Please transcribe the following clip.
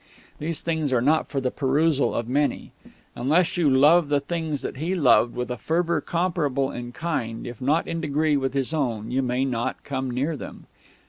These things are not for the perusal of many. Unless you love the things that he loved with a fervour comparable in kind, if not in degree, with his own, you may not come near them.